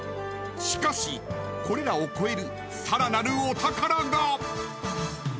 ［しかしこれらを超えるさらなるお宝が］